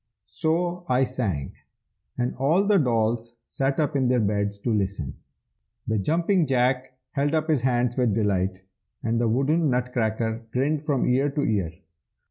So I sang, and all the dolls sat up in their beds to listen. The Jumping Jack held up his hands with delight, and the wooden Nutcracker grinned from ear to ear.